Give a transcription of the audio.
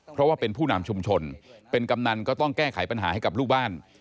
เพราะว่าเป็นผู้นำชุมชนเป็นกำนันก็ต้องแก้ไขปัญหาให้กับลูกบ้าน